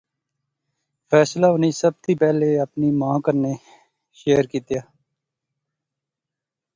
فیصلہ انی سب تھی پہلے اپنی ماں کنے شیئر کیتیا